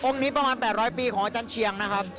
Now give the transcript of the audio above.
นี้ประมาณ๘๐๐ปีของอาจารย์เชียงนะครับ